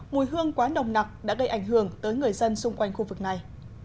mùi hương quá nồng nặc đã gây ảnh hưởng tới người dân xung quanh khu vực này